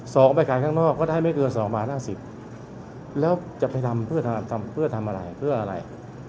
ออกไปขายข้างนอกก็ได้ไม่เกินสองบาทห้าสิบแล้วจะไปทำเพื่อทำเพื่อทำอะไรเพื่ออะไร